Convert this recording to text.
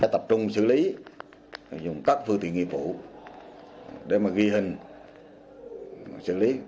tập trung xử lý dùng các phương tiện nghiệp vụ để ghi hình xử lý